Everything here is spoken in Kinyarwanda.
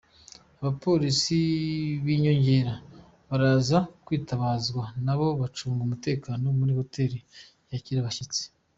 Abapolisi b'inyongera baraza kwitabazwa nabo mu gucunga umutekano muri hoteli yakira abashyitsi.